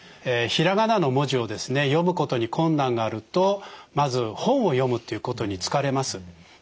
ひらがなの文字を読むことに困難があるとまず本を読むということに疲れます。